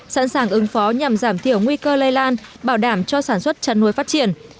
sẵn sàng ứng phó nhằm giảm thiểu nguy cơ lây lan bảo đảm cho sản xuất chăn nuôi phát triển